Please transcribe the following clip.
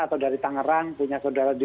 atau dari tangerang punya saudara di